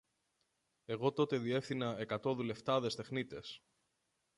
Εγώ τότε διεύθυνα εκατό δουλευτάδες τεχνίτες